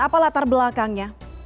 apa latar belakangnya